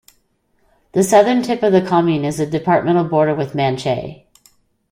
The southern tip of the commune is the departmental border with Manche.